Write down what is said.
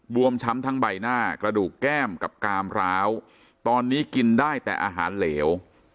วมช้ำทั้งใบหน้ากระดูกแก้มกับกามร้าวตอนนี้กินได้แต่อาหารเหลว